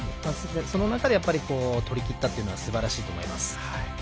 その中で取りきったのはすばらしいと思います。